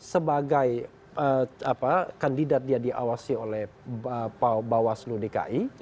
sebagai kandidat dia diawasi oleh bawaslu dki